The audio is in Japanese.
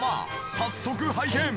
早速拝見！